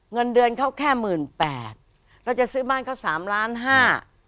เงินเดือนเขาแค่หมื่นแปดเราจะซื้อบ้านเขาสามล้านห้า